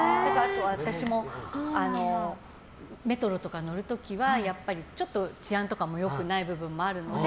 私もメトロとか乗る時はやっぱり、ちょっと治安とかも良くない部分もあるので